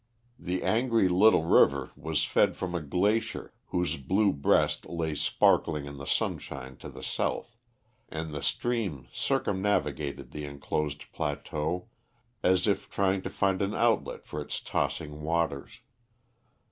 The angry little river was fed from a glacier whose blue breast lay sparkling in the sunshine to the south, and the stream circumnavigated the enclosed plateau, as if trying to find an outlet for its tossing waters.